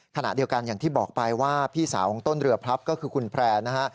ขณะเดียวกันอย่างที่บอกไปว่าพี่สาวของต้นเรือพลับก็คือคุณแพร่นะฮะ